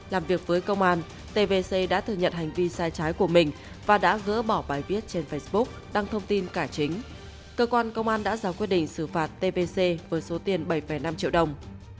làm việc với công an tvc đã thừa nhận hành vi sai trái của mình và đã gỡ bỏ bài viết trên facebook đăng thông tin cả chính cơ quan công an đã ra quyết định xử phạt tbc với số tiền bảy năm triệu đồng